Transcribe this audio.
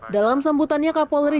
dalam sambutannya kapolri